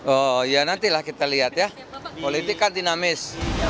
oh ya nantilah kita lihat ya politik kan dinamis